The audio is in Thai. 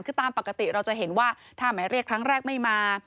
คือตามปกติเราจะเห็นว่าถ้าหมายเรียกครั้งแรกไม่มา